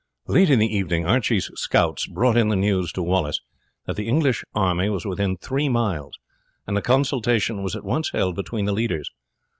Late in the evening Archie's scouts brought in the news to Wallace that the English army was within three miles, and a consultation was at once held between the leaders.